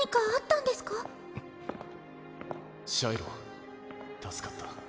んっシャイロ助かった。